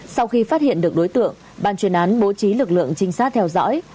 sau khi phát hiện được đối tượng ban chuyên án bố trí lực lượng trinh sát theo dõi